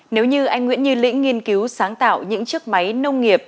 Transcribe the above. nếu như anh nguyễn như lĩnh nghiên cứu sáng tạo những chiếc máy nông nghiệp